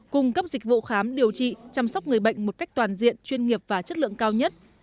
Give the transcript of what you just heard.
cung cấp dịch vụ khám điều trị chăm sóc người bệnh một cách toàn diện chuyên nghiệp và chất lượng cao nhất